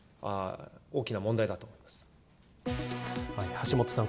橋下さん